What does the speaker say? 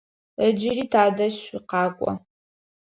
Ыджыри тадэжь шъукъакӏо.